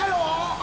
あ！